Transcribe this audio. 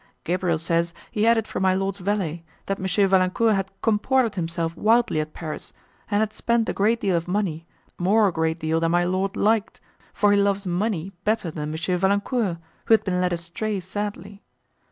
Gabriel says he had it from my Lord's valet, that M. Valancourt had comported himself wildly at Paris, and had spent a great deal of money, more a great deal than my Lord liked, for he loves money better than M. Valancourt, who had been led astray sadly.